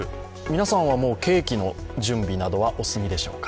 皆さんはもうケーキの準備などはお済みでしょうか。